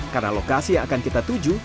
karena lokasi yang akan kita tuju